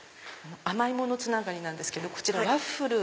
甘いものつながりなんですけどこちらワッフル。